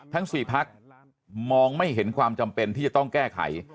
ทั้ง๔พักมองไม่เห็นความจำเป็นที่จะต้องแก้ไข